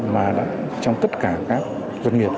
mà trong tất cả các doanh nghiệp